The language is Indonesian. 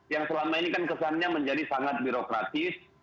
yang selama ini kan kesannya menjadi sangat birokratis